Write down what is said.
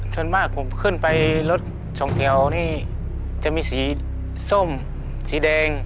ส่วนมากผมขึ้นไปรถสองแถวนี่จะมีสีส้มสีแดง